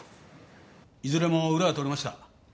いずれもウラは取れました。